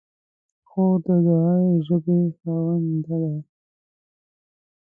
خور د دعایي ژبې خاوندې ده.